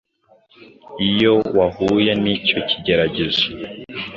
Iyo wahuye n’icyo kigeragezo,